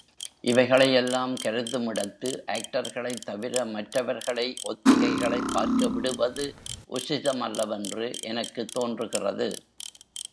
இவைகளையெல்லாம் கருதுமிடத்து, ஆக்டர்களைத் தவிர மற்வர்களை ஒத்திகைகளைப் பார்க்க விடுவது உசிதம் அல்லவென்று எனக்குத் தோன்றுகிறது.